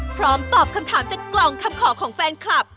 พร้อมตอบคำถามจากกล่องคำขอของแฟนคลับ